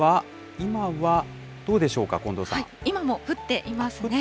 今も降っていますね。